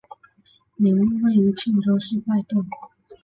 陵墓位于庆州市拜洞。